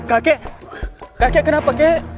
kakek kakek kenapa kakek